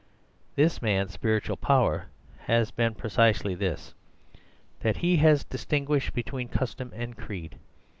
"This man's spiritual power has been precisely this, that he has distinguished between custom and creed.